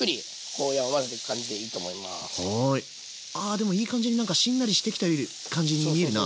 あでもいい感じになんかしんなりしてきた感じに見えるな。